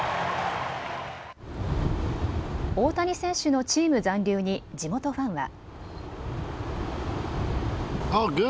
大谷選手のチーム残留に地元ファンは。